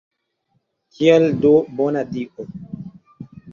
Kial do, bona Dio?